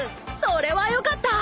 それはよかった。